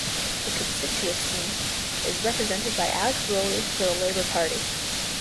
The constituency is represented by Alex Rowley for the Labour Party.